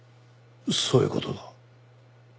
そういう事だ。